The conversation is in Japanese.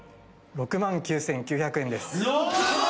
６万９，９００円！